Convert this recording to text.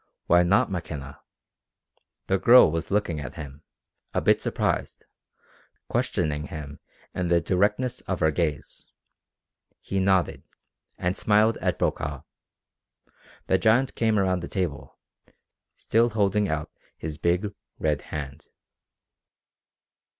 Why not McKenna? The girl was looking at him, a bit surprised, questioning him in the directness of her gaze. He nodded, and smiled at Brokaw. The giant came around the table, still holding out his big, red hand.